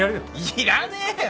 いらねえよ。